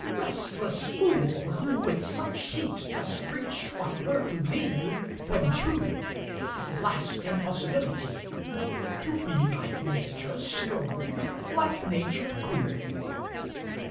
Restless fool, Who with such heat dost preach what were to thee, When true, the last impossibility To be like Nature strong, like Nature cool!